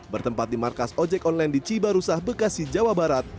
bertempat di markas ojek online di cibarusah bekasi jawa barat